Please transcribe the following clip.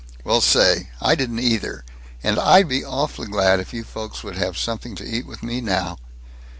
"Well say, I didn't either, and I'd be awfully glad if you folks would have something to eat with me now."